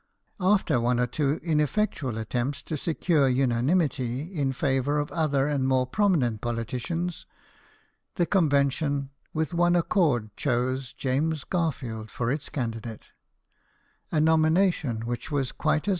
After one or two ineffectual attempts to secure unanimity in favour of other and more prominent politicians, the Convention with one accord chose James Garfield for its candidate a nomination which was quite as grec.